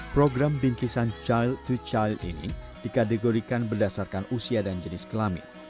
program bingkisan child to child ini dikategorikan berdasarkan usia dan jenis kelamin